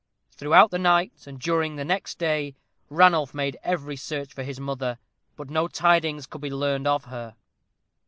Throughout the night and during the next day, Ranulph made every search for his mother, but no tidings could be learned of her.